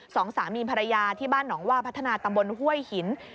สองสามีภรรยาที่บ้านหนองว่าพัฒนาตำบลห้วยหิน